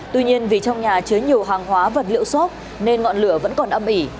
tuy nhiên vì trong nhà chứa nhiều hàng hóa vật liệu sóc nên ngọn lửa vẫn còn ấm ỉ